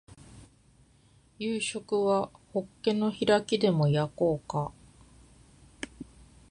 夕食はホッケの開きでも焼こうか